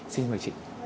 xin mời chị